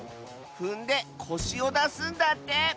ふんでこしをだすんだって！